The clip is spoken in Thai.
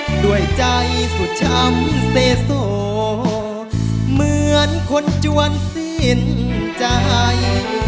ด้วยใจสุดช้ำเสโสเหมือนคนจวนสิ้นใจ